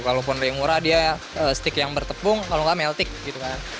kalaupun dari yang murah dia steak yang bertepung kalau enggak meltik gitu kan